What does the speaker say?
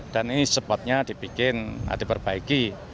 dan ini secepatnya dibikin ada diperbaiki